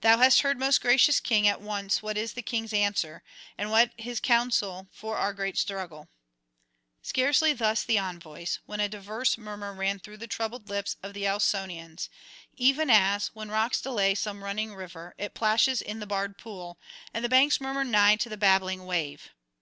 'Thou hast heard, most gracious king, at once what is the king's answer, and what his counsel for our great struggle.' Scarcely thus the envoys, when a diverse murmur ran through the troubled lips of the Ausonians; even as, when rocks delay some running river, it plashes in the barred pool, and the banks murmur nigh to the babbling wave.